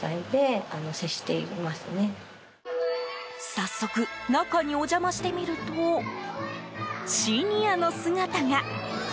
早速、中にお邪魔してみるとシニアの姿が。